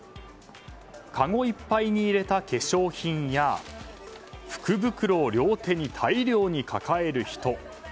かごいっぱいに入れた化粧品や福袋を両手に大量に抱える人。